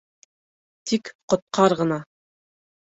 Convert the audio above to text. Тик ҡотҡар ғына.